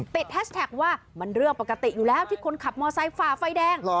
แฮชแท็กว่ามันเรื่องปกติอยู่แล้วที่คนขับมอไซคฝ่าไฟแดง